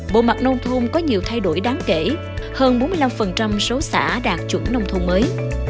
bộ mặt nông thôn có nhiều thay đổi đáng kể hơn bốn mươi năm số xã đạt chuẩn nông thôn mới